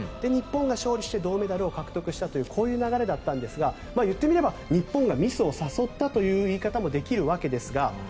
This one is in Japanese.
日本が勝利して銅メダルを獲得したというこういう流れだったんですが言ってみれば日本がミスを誘ったという言い方もできるわけです。